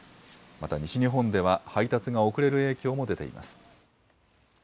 また西日本では配達が遅れる影響も出ています。